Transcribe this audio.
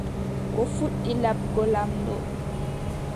O fuɗɗi laɓgo laamɗo.